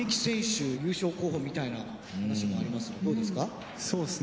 みたいな話もありますがどうですか？